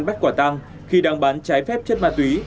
bắt quả tăng khi đang bán trái phép chất ma túy